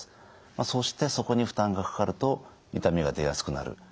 そしてそこに負担がかかると痛みが出やすくなる。